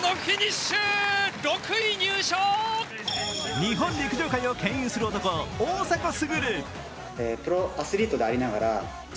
日本陸上界をけん引する男、大迫傑。